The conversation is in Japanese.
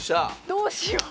どうしよう